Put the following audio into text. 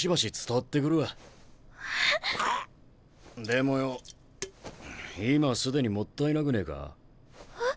でもよ今既にもったいなくねえか？え？